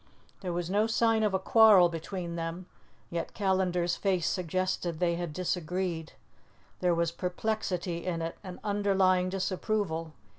There was no sign of a quarrel between them, yet Callandar's face suggested they had disagreed; there was perplexity in it and underlying disapproval.